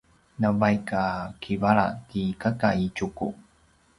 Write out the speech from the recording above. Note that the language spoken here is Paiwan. navaik a kivala ti kaka i Tjuku